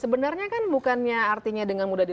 perbuatan tidak menyenangkan